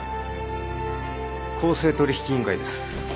公正取引委員会です